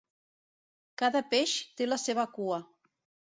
Cada peix té la seva cua.